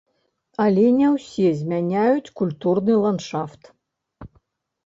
Але не ўсе змяняюць культурны ландшафт.